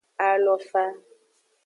Alofa.